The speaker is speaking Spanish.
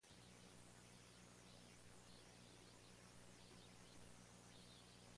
Los nuevos electrodomésticos en la cocina resultaron ser mucho mejor que los viejos.